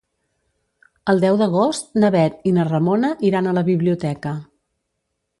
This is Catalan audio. El deu d'agost na Bet i na Ramona iran a la biblioteca.